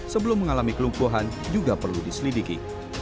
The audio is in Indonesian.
sebelum mengalami kelumpuhan juga perlu diselidiki